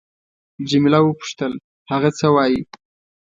جميله وپوښتل: هغه څه وایي؟